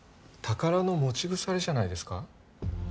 宝の持ち腐れじゃないですか？